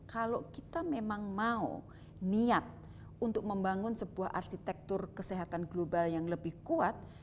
kalau kita memang mau niat untuk membangun sebuah arsitektur kesehatan global yang lebih kuat